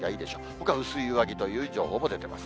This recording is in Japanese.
ほか、薄い上着という情報も出ています。